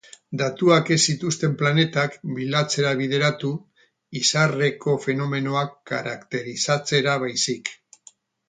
Datuak ez zituzten planetak bilatzera bideratu, izarreko fenomenoak karakterizatzera baizik.